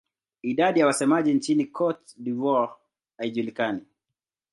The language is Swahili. Idadi ya wasemaji nchini Cote d'Ivoire haijulikani.